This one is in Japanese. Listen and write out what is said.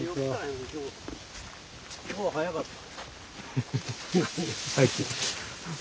今日は早かったな。